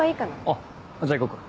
あっじゃあ行こうか。